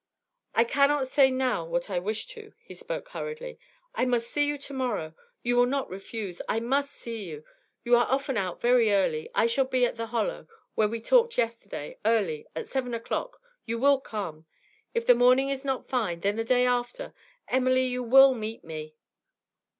'I cannot say now what I wish to,' he spoke hurriedly. 'I must see you to morrow you will not refuse? I must see you! You are often out very early; I shall be at the hollow, where we talked yesterday, early, at seven o'clock you will come? If the morning is not fine, then the day after. Emily, you will meet me?'